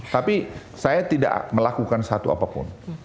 tapi saya tidak melakukan satu apapun